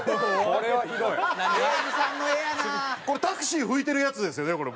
タクシー拭いてるやつですよね？